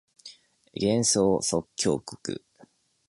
幻想即興曲